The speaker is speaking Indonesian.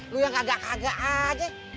lo yang kagak kagak aja